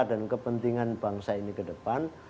dan kepentingan bangsa ini ke depan